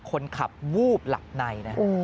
คนขับวูบหลับใน